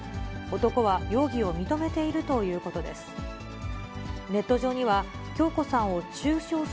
男は容疑を認めているということです。